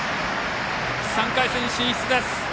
３回戦進出です。